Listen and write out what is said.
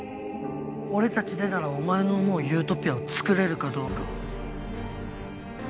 俺たちでならお前の思うユートピアを作れるかどうか。